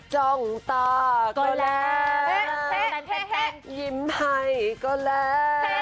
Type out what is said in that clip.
เฮ้เฮเฮ